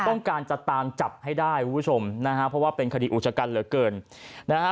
ของการตามจัดจับให้ได้นะครับเพราะว่าเป็นข้อดีอุตจักรเลือดเกินนะฮะ